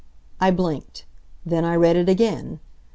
I blinked. Then I read it again.